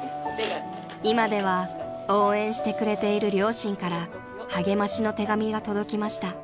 ［今では応援してくれている両親から励ましの手紙が届きました］